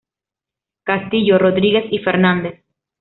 Castillo, Rodríguez y Fernández.